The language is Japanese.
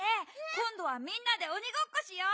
こんどはみんなでおにごっこしよう。